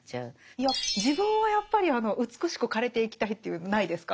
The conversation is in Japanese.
いや自分はやっぱり美しく枯れていきたいっていうのないですか？